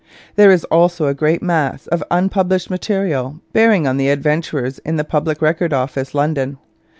There is also a great mass of unpublished material bearing on the adventurers in the Public Record Office, London.